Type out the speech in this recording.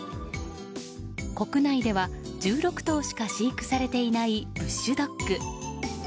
国内では１６頭しか飼育されていないブッシュドッグ。